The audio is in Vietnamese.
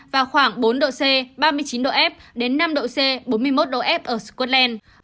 và khoảng bốn độ c ba mươi chín độ f đến năm độ c bốn mươi một độ f ở scotland